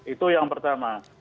itu yang pertama